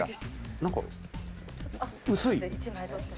何か薄い。